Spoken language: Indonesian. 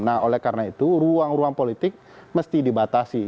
nah oleh karena itu ruang ruang politik mesti dibatasi